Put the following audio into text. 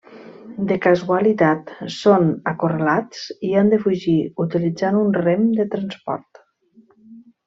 De casualitat, són acorralats i han de fugir utilitzant un Rem de transport.